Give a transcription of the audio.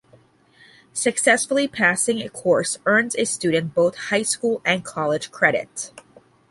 Successfully passing a course earns a student both high school and college credit.